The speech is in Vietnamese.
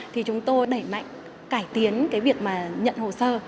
thì chúng tôi đẩy mạnh cải tiến cái việc mà nhận hồ sơ